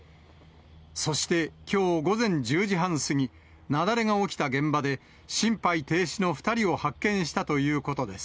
そして、きょう午前１０時半過ぎ、雪崩が起きた現場で、心肺停止の２人を発見したということです。